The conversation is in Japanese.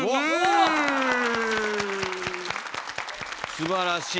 すばらしい。